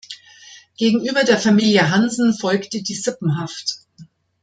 Gegenüber der Familie Hansen folgte die Sippenhaft.